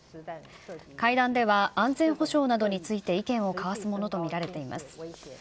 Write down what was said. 会談では安全保障などについて意見を交わすものと見られています。